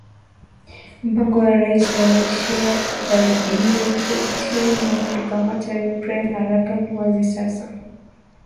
Mpango wa Rais wa Russia Vladmir Putin wa kuikamata Ukraine haraka ni wazi sasa